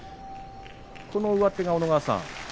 上手が小野川さん